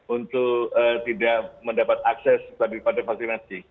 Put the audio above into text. untuk tidak mendapat akses daripada vaksinasi